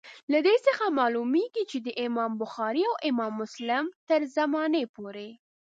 له دې څخه معلومیږي چي د امام بخاري او امام مسلم تر زمانې پوري.